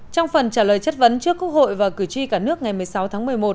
trong phần trả lời chất vấn trước quốc hội và cử tri cả nước ngày một mươi sáu tháng một mươi một